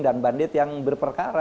dan bandit yang berperkara